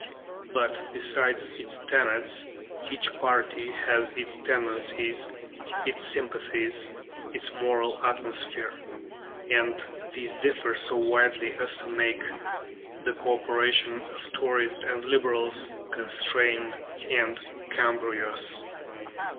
But, besides its tenets, each party has its tendencies, its sympathies, its moral atmosphere; and these differ so widely as to make the co operation of Tories and Liberals constrained and cumbrous.